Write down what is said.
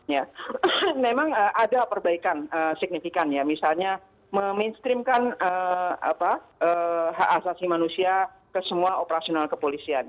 ya memang ada perbaikan signifikan ya misalnya meminstreamkan hak asasi manusia ke semua operasional kepolisian